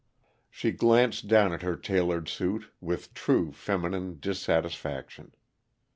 She glanced down at her tailored suit with true feminine dissatisfaction.